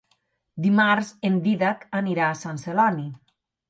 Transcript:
Dimarts en Dídac anirà a Sant Celoni.